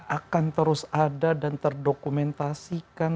akan terus ada dan terdokumentasikan